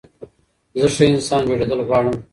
زه ښه انسان جوړېدل غواړم.